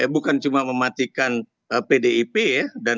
bukan cuma mematikan pdip ya